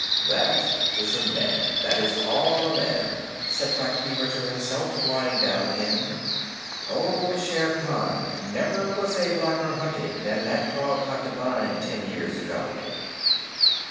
"That is a man. That is all a man," said Bagheera to himself, lying down again. "Oh, Shere Khan, never was a blacker hunting than that frog hunt of thine ten years ago!"